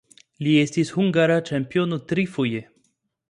Li estis hungara ĉampiono trifoje.